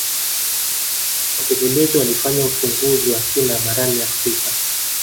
wapelelezi walifanya uchunguzi wa kina barani afrika